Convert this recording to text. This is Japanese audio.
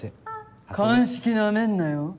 鑑識ナメんなよ